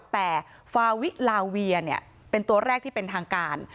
แต่ฟาวิลาเวียเป็นตัวแรกที่เป็นทางการ